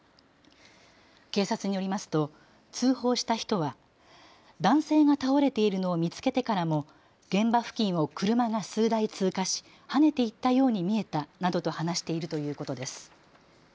警察によりますと通報した人は男性が倒れているのを見つけてからも現場付近を車が数台通過しはねていったように見えたなどと話しているということです。